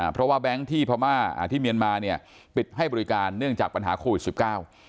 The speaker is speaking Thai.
เพราะว่าแบงค์ที่พม่าอ่าที่เมียนมาเนี่ยปิดให้บริการเนื่องจากปัญหาโควิดสิบเก้า